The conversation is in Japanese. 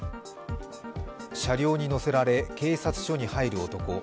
車両に乗せられ、警察署に入る男。